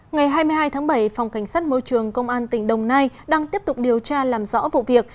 ngày hai mươi hai tháng bảy phòng cảnh sát môi trường công an tỉnh đồng nai đang tiếp tục điều tra làm rõ vụ việc